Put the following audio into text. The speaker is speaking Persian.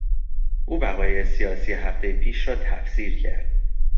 او وقایع سیاسی هفتهی پیش را تفسیر کرد.